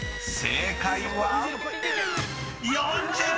［正解は⁉］